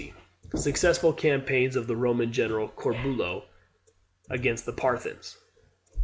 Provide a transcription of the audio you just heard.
Successful campaigns of the Roman general Corbulo against the Parthians.